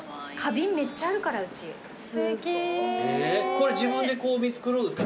これ自分で見繕うんすか？